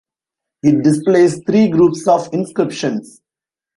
It displays three groups of inscriptions.